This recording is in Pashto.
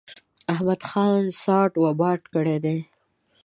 احمد ځان ساټ و باټ کړی دی.